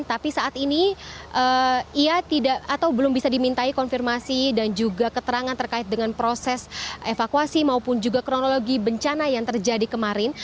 tapi saat ini ia tidak atau belum bisa dimintai konfirmasi dan juga keterangan terkait dengan proses evakuasi maupun juga kronologi bencana yang terjadi kemarin